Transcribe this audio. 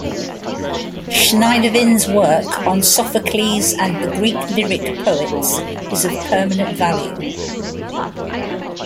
Schneidewin's work on Sophocles and the Greek lyric poets is of permanent value.